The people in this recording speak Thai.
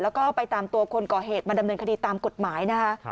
แล้วก็ไปตามตัวคนก่อเหตุมาดำเนินคดีตามกฎหมายนะคะ